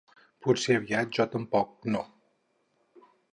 Potser aviat jo tampoc no.